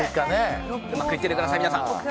うまくいっていてください皆さん。